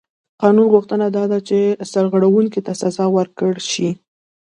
د قانون غوښتنه دا ده چې سرغړونکي ته سزا ورکړل شي.